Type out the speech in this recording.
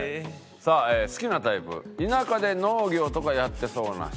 「好きなタイプ田舎で農業とかやっていそうな人」